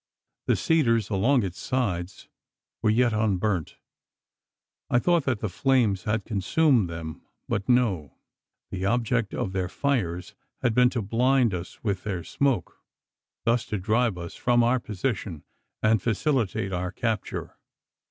The cedars along its sides were yet unburnt! I thought that the flames had consumed them, but no. The object of their fires had been to blind us with their smoke thus to drive us from our position, and facilitate our capture.